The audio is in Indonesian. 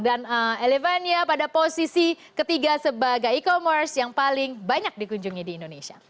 dan elevania pada posisi ketiga sebagai e commerce yang paling banyak dikunjungi di indonesia